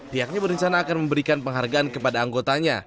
pihaknya berencana akan memberikan penghargaan kepada anggotanya